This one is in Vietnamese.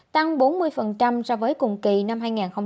tăng bốn mươi so với cùng kỳ năm hai nghìn hai mươi một